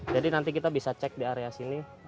jadi nanti kita bisa cek di area sini